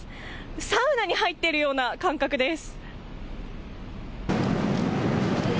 サウナに入っているような感覚です。